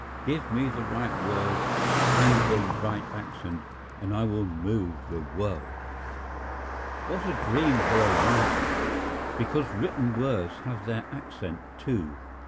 Give me the right word and the right accent and I will move the world. What a dream for a writer! Because written words have their accent, too.